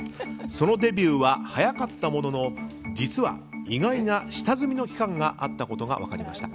そのデビューは早かったものの実は意外な下積みの期間があったことが分かりました。